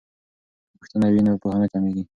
که پوښتنه وي نو پوهه نه کمیږي.